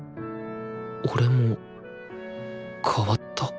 俺も変わった？